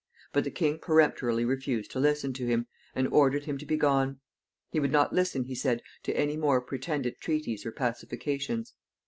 But the king peremptorily refused to listen to him, and ordered him to be gone. He would not listen, he said, to any more pretended treaties or pacifications.